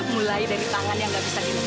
mulai dari tangan yang gak bisa jalan